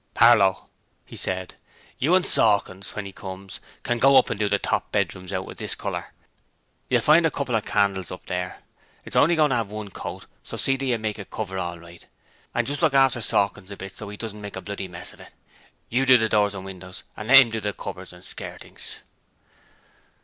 'Harlow,' he said, 'you and Sawkins, when he comes, can go up and do the top bedrooms out with this colour. You'll find a couple of candles up there. It's only goin' to 'ave one coat, so see that you make it cover all right, and just look after Sawkins a bit so as 'e doesn't make a bloody mess of it. You do the doors and windows, and let 'im do the cupboards and skirtings.'